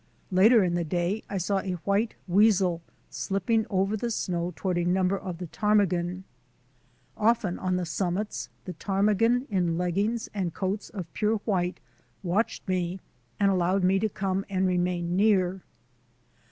Later in the day I saw a white weasel slipping over the snow toward a number of the ptarmigan. Often on the summits the ptarmigan, in leggings and coats of pure white, watched me and allowed me to come and remain near.